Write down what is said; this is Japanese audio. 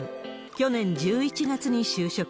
去年１１月に就職。